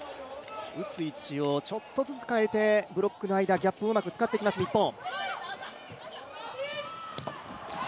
打つ位置をちょっとずつ変えてブロックの間、ギャップをうまく使ってきます日本。